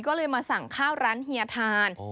ก็เลยมาสั่งข้าวร้านเฮียทาน